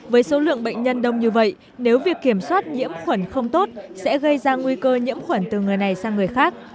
với số lượng bệnh nhân đông như vậy nếu việc kiểm soát nhiễm khuẩn không tốt sẽ gây ra nguy cơ nhiễm khuẩn từ người này sang người khác